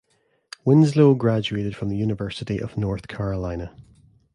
Winslow graduated from the University of North Carolina.